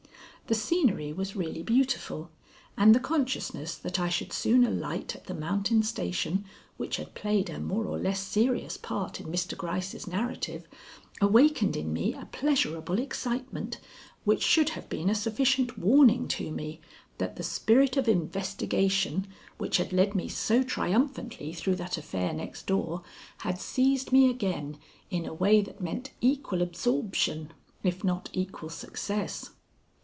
The scenery was really beautiful, and the consciousness that I should soon alight at the mountain station which had played a more or less serious part in Mr. Gryce's narrative, awakened in me a pleasurable excitement which should have been a sufficient warning to me that the spirit of investigation which had led me so triumphantly through that affair next door had seized me again in a way that meant equal absorption if not equal success.